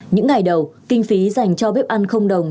những ngày đầu kinh phí dành cho bếp ăn không đồng